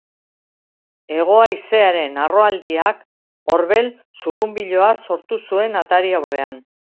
Hego haizearen harroaldiak orbel zurrunbiloa sortu zuen atari aurrean.